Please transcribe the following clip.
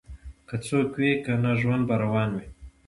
که څوک وي او کنه ژوند به روان وي